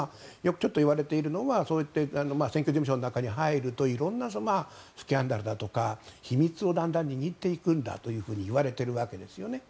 ちょっといわれているのはそういった選挙事務所の中に入ると色んなスキャンダルだとか秘密をだんだん握っていくんだと言われているわけですよね。